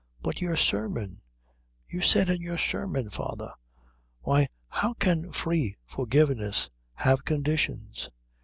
"But your sermon you said in your sermon, father why, how can free forgiveness have conditions?